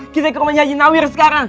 kita ke rumahnya haji nawir sekarang